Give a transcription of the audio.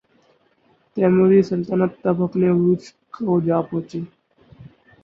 تیموری سلطنت تب اپنے عروج کو پہنچی۔